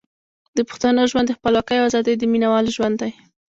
د پښتنو ژوند د خپلواکۍ او ازادۍ د مینوالو ژوند دی.